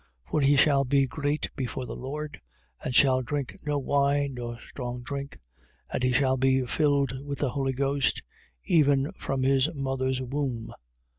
1:15. For he shall be great before the Lord and shall drink no wine nor strong drink: and he shall be filled with the Holy Ghost, even from his mother's womb.